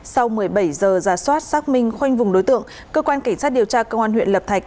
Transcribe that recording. sau một mươi bảy giờ giả soát xác minh khoanh vùng đối tượng cơ quan cảnh sát điều tra công an huyện lập thạch